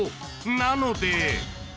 なので。